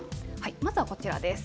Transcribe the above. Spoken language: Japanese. まずはこちらです。